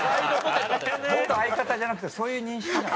元相方じゃなくてそういう認識なの？